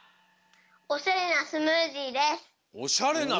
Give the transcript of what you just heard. おしゃれなスムージー！